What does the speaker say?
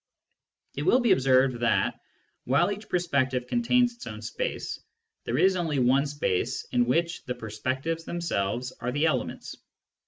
It will be observed that, while each perspective contains its own space, there is only one space in which the perspectives themselves are the elements.